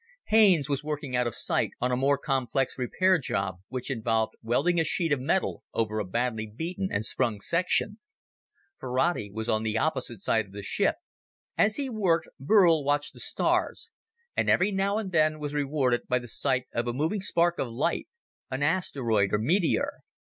Haines was working out of sight on a more complex repair job which involved welding a sheet of metal over a badly beaten and sprung section. Ferrati was on the opposite side of the ship. As he worked, Burl watched the stars, and every now and then was rewarded by the sight of a moving spark of light an asteroid or meteor.